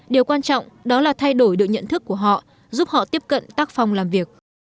điều quan trọng đó là thay đổi được nhận thức của họ giúp họ tiếp cận tác phong làm việc